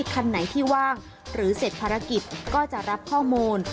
คันไหนที่ว่างหรือเสร็จภารกิจก็จะรับข้อมูล